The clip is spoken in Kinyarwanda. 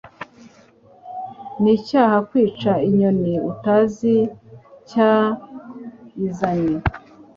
Nicyaha kwica Inyoni utazi icya yizanye